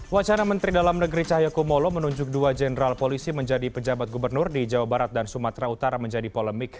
wacana menteri dalam negeri cahaya kumolo menunjuk dua jenderal polisi menjadi pejabat gubernur di jawa barat dan sumatera utara menjadi polemik